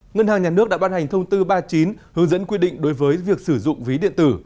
ngân hàng nhà nước đã ban hành thông tư ba mươi chín hướng dẫn quy định đối với việc sử dụng ví điện tử